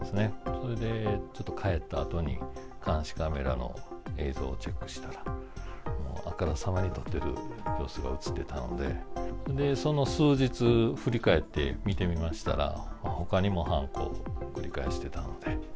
それでちょっと帰った後に、監視カメラの映像をチェックしたら、あからさまにとってる様子が写ってたので、その数日、振り返って見てみましたら、ほかにも犯行繰り返してたので。